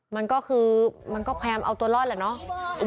มันก็คือมันก็พยายามเอาตัวรอดแหละเนาะ